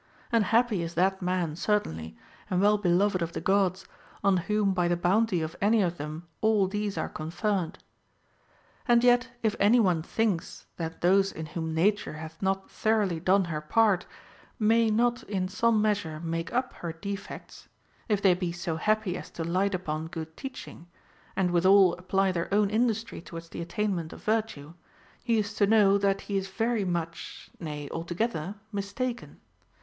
And happy is that man certainly, and well beloved of the Gods, on whom by the bounty of any of them all these are conferred. And yet if any one thinks that those in whom Nature hath not thoroughly done her part may not in some measure make up her defects, if they be so happy as to light upon good teaching, and withal apply their ΟΛνη industry towards the attainment of virtue, he is to know that he is very much, nay, altogether, mistaken.